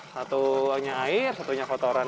satunya air satunya kotoran